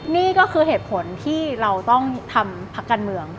นี่ก็คือเหตุผลที่เราต้องทำพักการเมือง